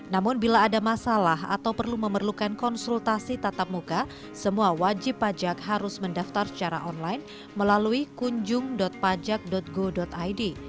namun bila ada masalah atau perlu memerlukan konsultasi tatap muka semua wajib pajak harus mendaftar secara online melalui kunjung pajak go id